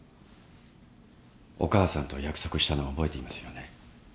お母さんと約束したのを覚えていますよね。